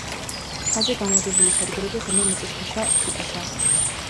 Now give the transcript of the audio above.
ხაზზე განლაგებული სადგურები ღრმა მიწისქვეშა ტიპისაა.